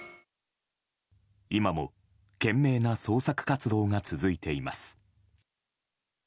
今も懸命な捜索活動が続いています。